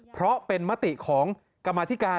เพราะเป็นมติของกรรมธิการ